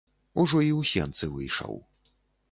Ужо і ў сенцы выйшаў.